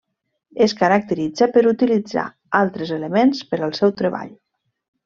Es caracteritza per utilitzar altres elements per al seu treball.